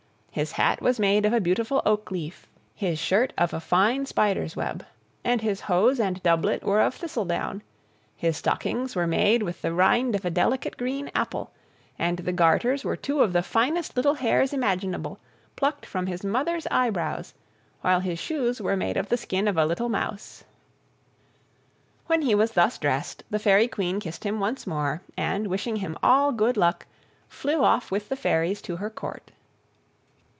His hat was made of a beautiful oak leaf, his shirt of a fine spider's web, and his hose and doublet were of thistledown, his stockings were made with the rind of a delicate green apple, and the garters were two of the finest little hairs imaginable, plucked from his mother's eyebrows, while his shoes were made of the skin of a little mouse. When he was thus dressed, the Fairy Queen kissed him once more, and, wishing him all good luck, flew off with the fairies to her Court.